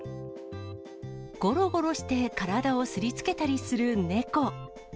ごろごろして体をすりつけたりする猫。